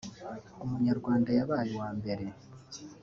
Umunyarwanda yabaye uwa mbere